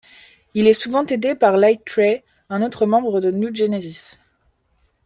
Il est souvent aidé par Lightray, un autre membre de New Genesis.